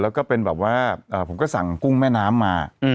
แล้วก็เป็นแบบว่าผมก็สั่งกุ้งแม่น้ำมา